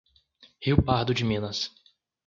Rio Pardo de Minas